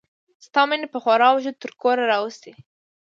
ستا مینې په خوار وجود تر کوره راوستي.